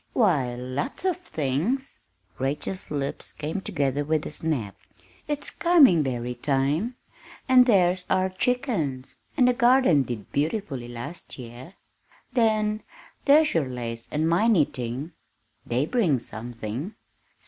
why lots of things!" Rachel's lips came together with a snap. "It's coming berry time, and there's our chickens, and the garden did beautifully last year. Then there's your lace work and my knitting they bring something.